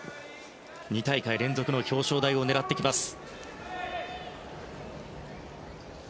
２大会連続の表彰台を狙ってきます。